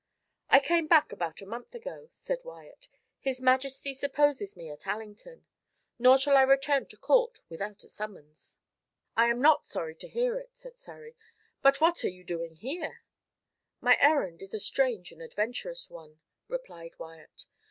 "I came back about a month ago," said Wyat. "His majesty supposes me at Allington; nor shall I return to court without a summons." "I am not sorry to hear it," said Surrey; "but what are you doing here?" "My errand is a strange and adventurous one," replied Wyat.